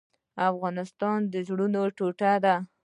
افغانستان د زړه ټوټه ده